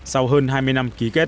sau hơn hai mươi năm ký kết